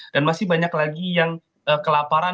dan masih banyak lagi yang kelaparan